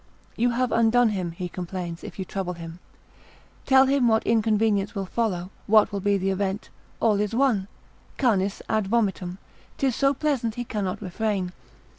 you have undone him, he complains, if you trouble him: tell him what inconvenience will follow, what will be the event, all is one, canis ad vomitum, 'tis so pleasant he cannot refrain.